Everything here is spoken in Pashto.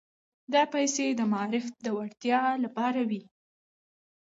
دا پيسې د معارف د پياوړتيا لپاره وې.